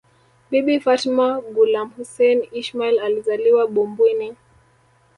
Bibi Fatma Gulamhussein Ismail alizaliwa Bumbwini